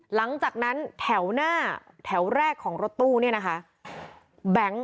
หลังจากนั้นแถวหน้าแถวแรกของรถตู้เนี่ยนะคะ